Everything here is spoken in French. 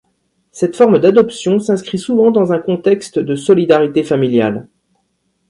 Cette forme d'adoption s’inscrit souvent dans un contexte de solidarité familiale.